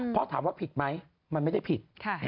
เพราะถามว่าผิดไหมมันไม่ได้ผิด